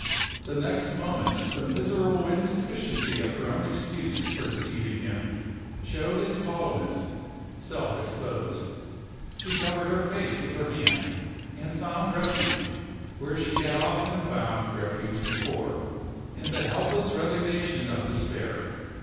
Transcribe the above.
The next moment the miserable insufficiency of her own excuse for deceiving him showed its hollowness, self exposed. She covered her face with her hands, and found refuge where she had often found refuge before in the helpless resignation of despair.